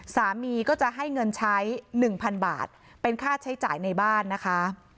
สามีก็จะให้เงินใช้๑๐๐๐บาทเป็นค่าใช้จ่ายในบ้านนะคะ